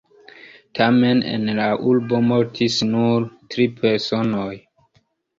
Tamen en la urbo mortis nur tri personoj.